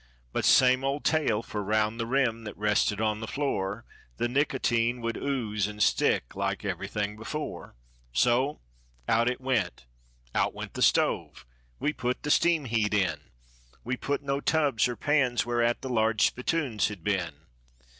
But same old tale, for 'round the rim that rested on the floor The nicotine would ooze and stick like everything before. So out it went. Out went the stove. We put the steam heat in. We put no tubs or pans whereat the large spittoons had been.